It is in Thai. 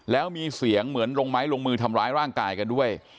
แล้วมีเสียงเหมือนลงไม้ลงมือทำร้ายร่างกายกันด้วย